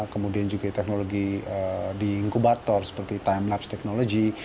kemudian juga teknologi di inkubator seperti time lapse technology